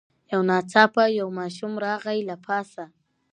یو ناڅاپه یو ماشوم راغی له پاسه